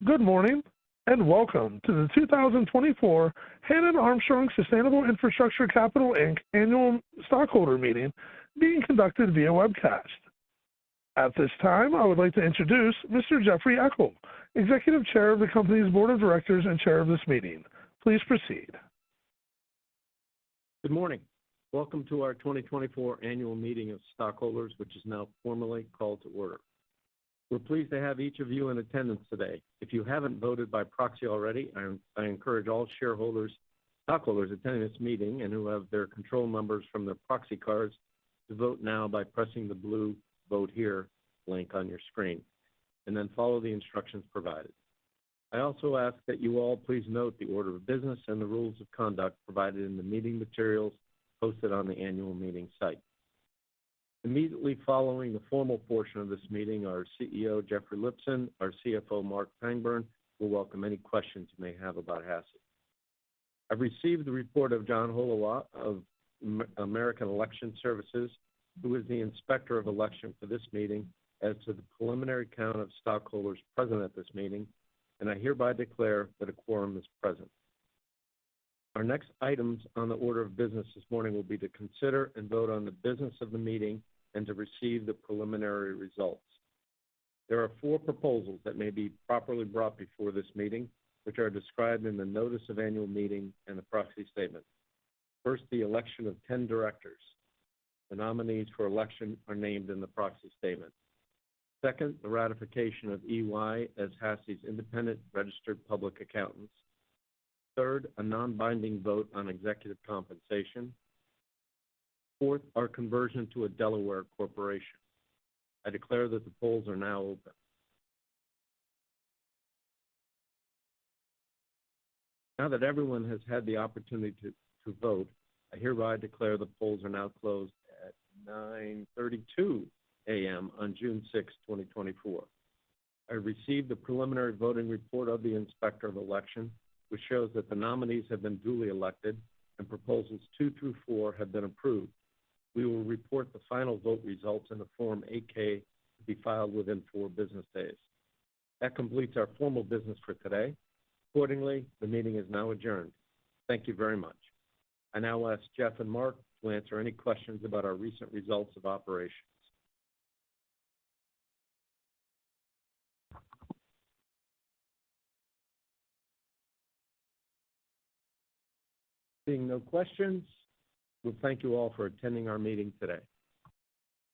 Good morning, and welcome to the 2024 Hannon Armstrong Sustainable Infrastructure Capital Inc. Annual Stockholder Meeting being conducted via webcast. At this time, I would like to introduce Mr. Jeffrey Eckel, Executive Chair of the company's Board of Directors and Chair of this meeting. Please proceed. Good morning. Welcome to our 2024 Annual Meeting of Stockholders, which is now formally called to order. We're pleased to have each of you in attendance today. If you haven't voted by proxy already, I, I encourage all shareholders, stockholders attending this meeting and who have their control numbers from their proxy cards to vote now by pressing the blue Vote Here link on your screen, and then follow the instructions provided. I also ask that you all please note the order of business and the rules of conduct provided in the meeting materials posted on the annual meeting site. Immediately following the formal portion of this meeting, our CEO, Jeffrey Lipson, our CFO, Marc Pangburn, will welcome any questions you may have about HASI. I've received the report of John Hollewa of American Election Services, who is the Inspector of Election for this meeting, as to the preliminary count of stockholders present at this meeting, and I hereby declare that a quorum is present. Our next items on the order of business this morning will be to consider and vote on the business of the meeting and to receive the preliminary results. There are 4 proposals that may be properly brought before this meeting, which are described in the notice of annual meeting and the proxy statement. First, the election of 10 directors. The nominees for election are named in the proxy statement. Second, the ratification of EY as HASI's independent registered public accountants. Third, a non-binding vote on executive compensation. Fourth, our conversion to a Delaware corporation. I declare that the polls are now open. Now that everyone has had the opportunity to vote, I hereby declare the polls are now closed at 9:32 A.M. on June sixth, 2024. I received the preliminary voting report of the Inspector of Election, which shows that the nominees have been duly elected and proposals 2 through 4 have been approved. We will report the final vote results in the Form 8-K to be filed within 4 business days. That completes our formal business for today. Accordingly, the meeting is now adjourned. Thank you very much. I now ask Jeff and Marc to answer any questions about our recent results of operations. Seeing no questions, we thank you all for attending our meeting today.